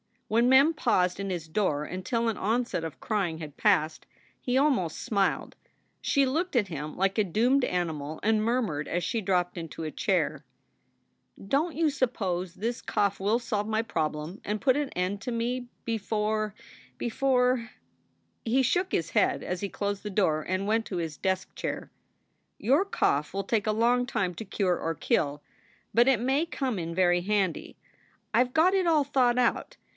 When Mem paused in his door until an onset of crying had passed, he almost smiled. She looked at him like a doomed animal and murmured as she dropped into a chair: "Don t you suppose this cough will solve my problem and put an end to me before before " He shook his head as he closed the door and went to his desk chair: "Your cough will take a long time to cure or kill. But it may come in very handy. I ve got it all thought out.